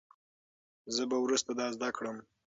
زه به وروسته دا زده کړم.